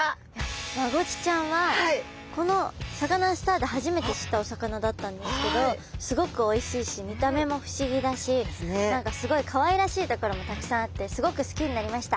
マゴチちゃんはこの「サカナ★スター」で初めて知ったお魚だったんですけどすごくおいしいし見た目も不思議だし。ですね。何かすごいかわいらしいところもたくさんあってすごく好きになりました。